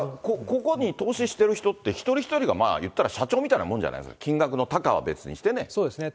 ここに投資してる人って、一人一人が言ったら、社長みたいなもんじゃないですか、そうですね。